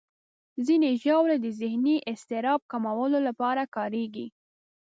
ځینې ژاولې د ذهني اضطراب کمولو لپاره کارېږي.